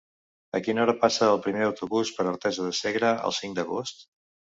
A quina hora passa el primer autobús per Artesa de Segre el cinc d'agost?